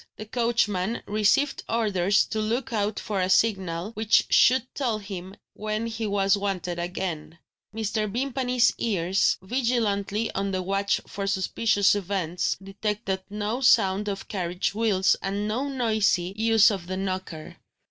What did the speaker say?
The coachman received orders to look out for a signal, which should tell him when he was wanted again. Mr. Vimpany's ears, vigilantly on the watch for suspicious events, detected no sound of carriage wheels and no noisy use of the knocker.